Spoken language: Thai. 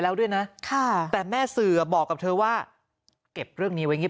แล้วด้วยนะค่ะแต่แม่สื่อบอกกับเธอว่าเก็บเรื่องนี้ไว้งี้